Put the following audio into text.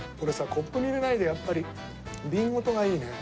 コップに入れないでやっぱり瓶ごとがいいね。